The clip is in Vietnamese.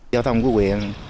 giao thông của huyện